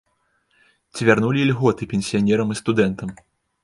Ці вярнулі ільготы пенсіянерам і студэнтам?